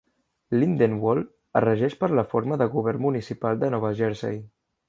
Lindenwold es regeix per la forma de govern municipal de Nova Jersey.